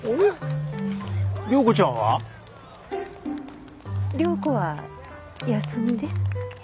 良子は休みで。